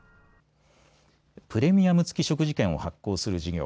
プレミアム付き食事券を発行する事業。